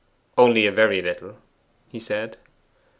'Only a very little?' he said.